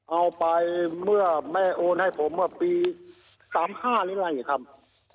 เอาไปเมื่อแม่โอนให้ผมปี๓๕อะไรอย่างนี้ครับ